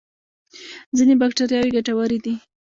ځینې بکتریاوې ګټورې دي